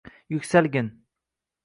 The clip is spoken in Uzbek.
Yuksalgin!